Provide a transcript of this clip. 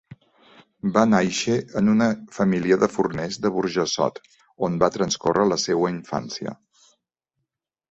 Va nàixer en una família de forners de Burjassot, on va transcórrer la seua infància.